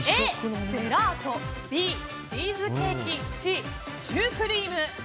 Ａ、ジェラートＢ、チーズケーキＣ、シュークリーム。